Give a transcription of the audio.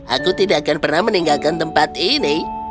aku tidak akan pernah meninggalkan tempat ini